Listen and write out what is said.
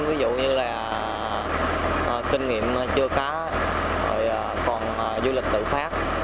ví dụ như là kinh nghiệm chưa có còn du lịch tự phát